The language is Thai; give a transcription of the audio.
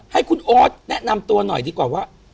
ให้คุณโอ๊ตแนะนำตัวหน่อยดีกว่าว่า